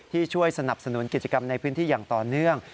ช่วยสนับสนุนกิจกรรมในพื้นที่อย่างต่อเนื่อง